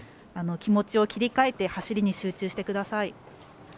気持ちを切り替えて走りに集中してください。